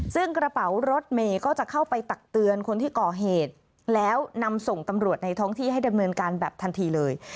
ซึ่งกระเป๋ารถเมย์ก็จะเข้าไปตักเตือนคนที่ก่อเหตุแล้วนำส่งตำรวจในท้องที่ให้ดำเนินการแบบทันทีเลย